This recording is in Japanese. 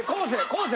昴生！